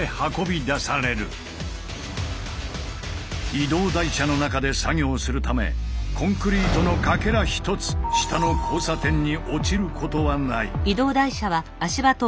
移動台車の中で作業するためコンクリートのかけら一つ下の交差点に落ちることはない。